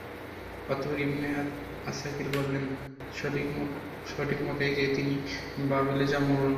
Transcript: অতঃপর Ibn Asakir বলেন, সঠিক মত এই যে, তিনি বাবেলে জন্মগ্রহণ করেন।